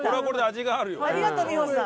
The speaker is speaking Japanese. ありがとう美穂さん。